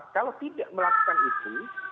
kalau tidak melakukan itu